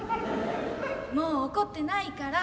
もう怒ってないから。